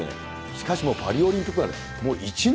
しかしもう、パリオリンピックまでもう１年。